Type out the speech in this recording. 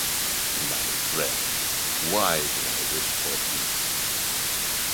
My friends, why do I wish for peace?